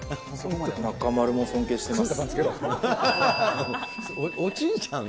中丸も尊敬してます。